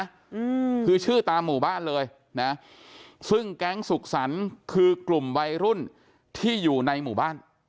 อืมคือชื่อตามหมู่บ้านเลยนะซึ่งแก๊งสุขสรรค์คือกลุ่มวัยรุ่นที่อยู่ในหมู่บ้าน